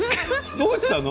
どうしたの？